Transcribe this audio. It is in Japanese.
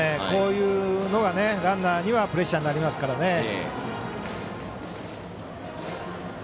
こういうのがランナーにはプレッシャーになりますからね。